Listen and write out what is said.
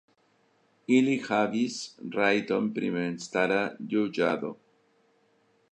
Ili havis rajton pri memstara juĝado.